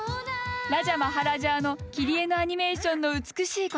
「ラジャ・マハラジャー」の切り絵のアニメーションの美しいこと。